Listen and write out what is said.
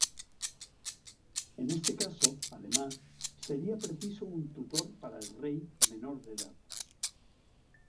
En este caso, además, sería preciso un tutor para el rey menor de edad.